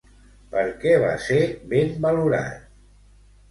Per què va ser ben valorat?